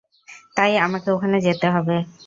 তাই আমাকে ওখানে যেতে হবে।